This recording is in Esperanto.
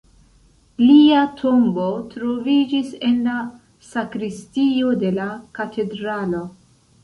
Lia tombo troviĝis en la sakristio de la katedralo.